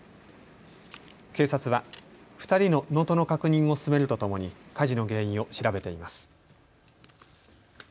警察は２人の身元の確認を進めるとともに火事の原因を調べています。